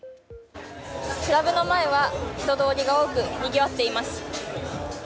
クラブの前は人通りが多くにぎわっています。